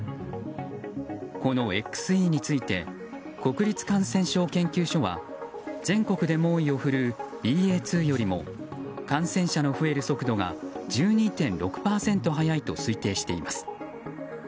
このＸＥについて国立感染症研究所は全国で猛威を振るうＢＡ．２よりも感染者の増える速度が１２．６％速いと推定しています。